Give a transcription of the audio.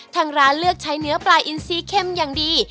ทางร้านเลือกใช้เนื้อปลาอินซีเค็มอย่างดี